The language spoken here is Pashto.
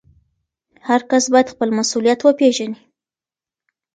هر کس باید خپل مسؤلیت وپېژني.